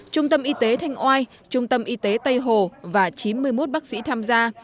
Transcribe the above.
trung tâm y tế thanh oai trung tâm y tế tây hồ và chín mươi một bác sĩ tham gia